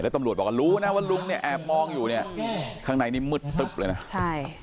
แล้วตำรวจบอกก็รู้นะว่ารุงแอบมองอยู่เนี่ย